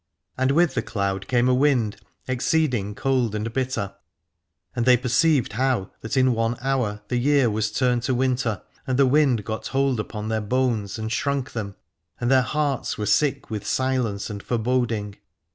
And with the cloud came a wind, exceeding cold and bitter, and they perceived how that in one hour the year was turned to winter ; and the wind got hold upon their bones and shrunk them, and their hearts were sick with silence and foreboding.